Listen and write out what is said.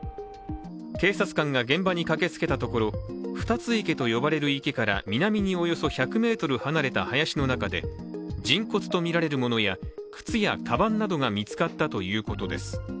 警察官が現場に駆けつけたところふたつ池と呼ばれる池から南におよそ１００ｍ離れた林の中で人骨とみられるものや靴やかばんなどが見つかったということです。